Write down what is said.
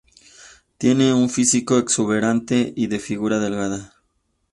Tiene un físico exuberante, y de figura delgada.